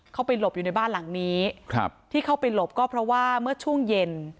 เข้าไปหลบอยู่ในบ้านหลังนี้ครับที่เข้าไปหลบก็เพราะว่าเมื่อช่วงเย็น